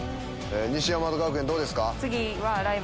西大和学園どうですか？